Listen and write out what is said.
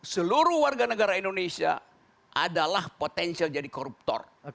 seluruh warga negara indonesia adalah potensial jadi koruptor